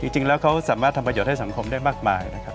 จริงแล้วเขาสามารถทำประโยชน์ให้สังคมได้มากมายนะครับ